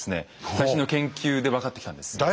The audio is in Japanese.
最新の研究で分かってきたんです。